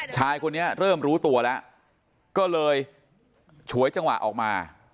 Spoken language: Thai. ชายคนนี้เริ่มรู้ตัวแล้วก็เลยฉวยจังหวะออกมา